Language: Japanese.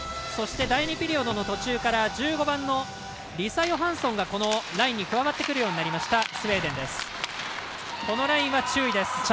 そして第２ピリオドの途中から１５番のリサ・ヨハンソンがこのラインに加わってくるようになりましたスウェーデンです。